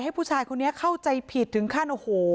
ให้ผู้ชายคนนี้เข้าใจผิดถึงขั้น